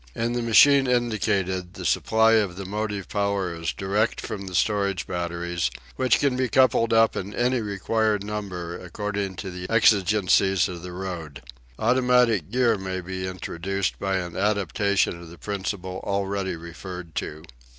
In the machine indicated the supply of the motive power is direct from the storage batteries, which can be coupled up in any required number according to the exigencies of the road. Automatic gear may be introduced by an adaptation of the principle already referred to.